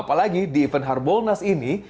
apalagi di event harbolnas ini